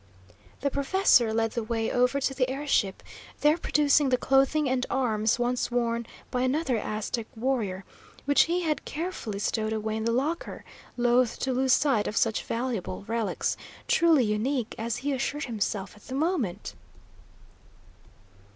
The professor led the way over to the air ship, there producing the clothing and arms once worn by another Aztec warrior, which he had carefully stowed away in the locker, loath to lose sight of such valuable relics; truly unique, as he assured himself at the moment.